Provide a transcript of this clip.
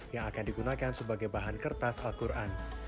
yang akan digunakan sebagai bahan kertas al quran